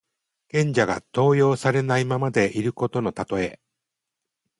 賢者が登用されないままでいることのたとえ。